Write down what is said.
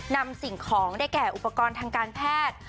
สิ่งของได้แก่อุปกรณ์ทางการแพทย์